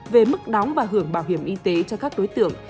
về mức đóng và hưởng bảo hiểm y tế cho các đối tượng